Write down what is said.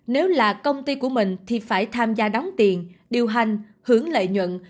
nếu là công ty của mình thì phải tham gia đóng tiền điều hành hưởng lợi nhuận